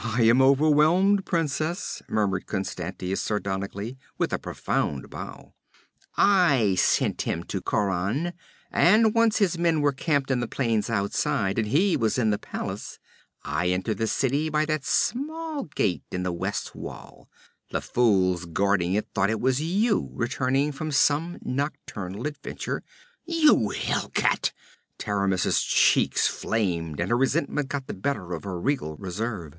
'I am overwhelmed, princess,' murmured Constantius sardonically, with a profound bow. 'I sent him to Khauran, and, once his men were camped in the plain outside, and he was in the palace, I entered the city by that small gate in the west wall the fools guarding it thought it was you returning from some nocturnal adventure ' 'You hell cat!' Taramis's cheeks flamed and her resentment got the better of her regal reserve.